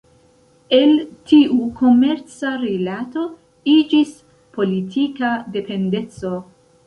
El tiu komerca rilato iĝis politika dependeco.